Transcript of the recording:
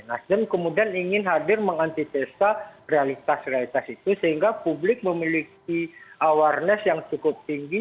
nasdem kemudian ingin hadir mengantisipasi realitas realitas itu sehingga publik memiliki awareness yang cukup tinggi